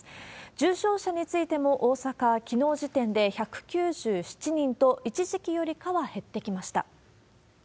重症者についても、大阪、きのう時点で１９７人と、一時期よりかは減ってきました。